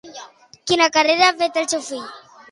Quina carrera ha fet el seu fill?